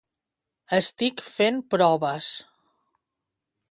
Estic fent proves